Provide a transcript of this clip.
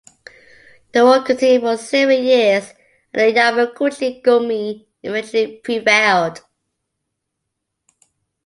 The war continued for several years, and the Yamaguchi-gumi eventually prevailed.